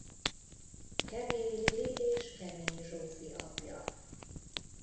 Kemény Lili és Kemény Zsófi apja.